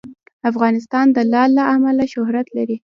افغانستان د لعل له امله شهرت لري.